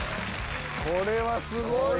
これはすごいわ。